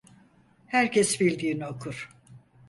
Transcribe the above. Herkes bildiğini okur.